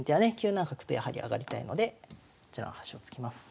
９七角とやはり上がりたいのでこちらの端を突きます。